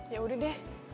ya udah deh